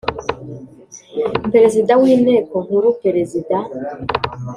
Perezida w Inteko Nkuru Perezida